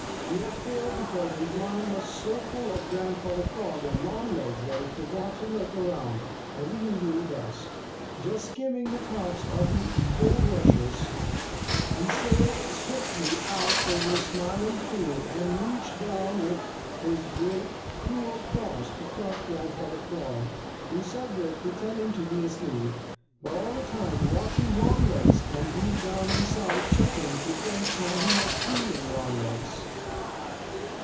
He had failed because his mind was so full of Grandfather Frog and Longlegs that he forgot to look around, as he usually does. Just skimming the tops of the bulrushes he sailed swiftly out over the Smiling Pool and reached down with his great, cruel claws to clutch Grandfather Frog, who sat there pretending to be asleep, but all the time watching Longlegs and deep down inside chuckling to think how he was fooling Longlegs.